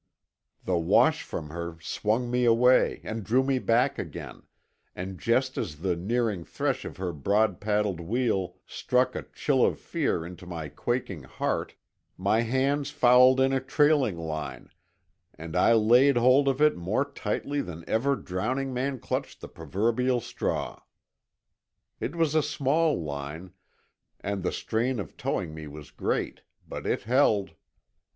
The wash from her swung me away and drew me back again, and just as the nearing thresh of her broad paddled wheel struck a chill of fear into my quaking heart my hands fouled in a trailing line and I laid hold of it more tightly than ever drowning man clutched the proverbial straw. It was a small line, and the strain of towing me was great, but it held.